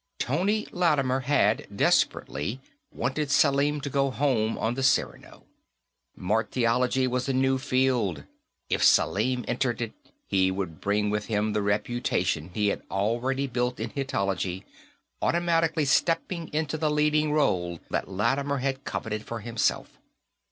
Tony Lattimer had, desperately, wanted Selim to go home on the Cyrano. Martiology was a new field; if Selim entered it, he would bring with him the reputation he had already built in Hittitology, automatically stepping into the leading role that Lattimer had coveted for himself.